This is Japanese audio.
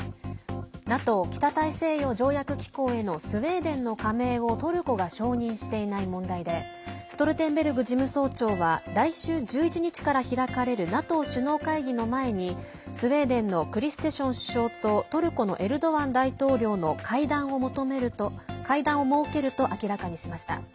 ＮＡＴＯ＝北大西洋条約機構へのスウェーデンの加盟をトルコが承認していない問題でストルテンベルグ事務総長は来週１１日から開かれるＮＡＴＯ首脳会議の前にスウェーデンのクリステション首相とトルコのエルドアン大統領の会談を設けると明らかにしました。